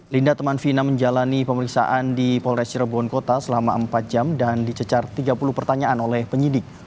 linda teman vina menjalani pemeriksaan di polres cirebon kota selama empat jam dan dicecar tiga puluh pertanyaan oleh penyidik